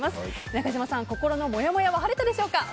中島さん、心のもやもやは晴れたでしょうか。